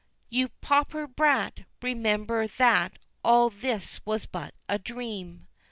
You pauper brat, remember that all this was but a dream!"